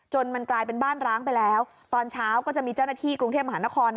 มันกลายเป็นบ้านร้างไปแล้วตอนเช้าก็จะมีเจ้าหน้าที่กรุงเทพมหานคร